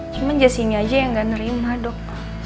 cuma jessinya aja yang gak nerima dok